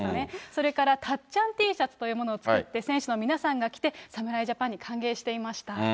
それから、たっちゃんＴシャツというのを作って、選手の皆さんが着て、侍ジャパンに還元していました。